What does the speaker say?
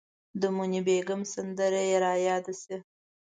د موني بیګم سندره یې ریاده شي.